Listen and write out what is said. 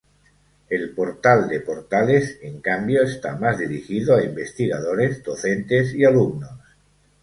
El Portal de Portales en cambio, está más dirigido a investigadores, docentes y alumnos.